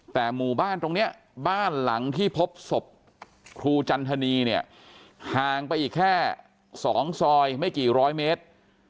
แต่หมู่บ้านตรงนี้บ้านหลังที่พบศพครูจันทนีเนี่ยห่างไปอีกแค่๒ซอยไม่กี่ร้อยเมตร